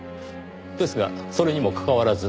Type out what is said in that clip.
ですがそれにもかかわらず。